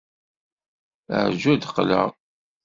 Rju ad d-qqleɣ.